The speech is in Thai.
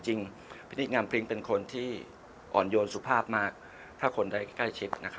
จริงพิธีงามพริ้งเป็นคนที่อ่อนโยนสุภาพมากถ้าคนได้ใกล้ชิด